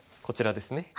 こちらですね。